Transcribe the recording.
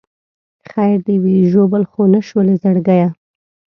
خیر دې وي ژوبل خو نه شولې زړګیه.